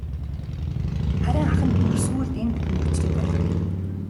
Харин ах нь бүр сүүлд энэ бүхний учрыг ойлгодог.